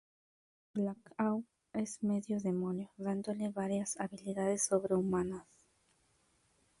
Blackout es medio demonio, dándole varias habilidades sobrehumanas.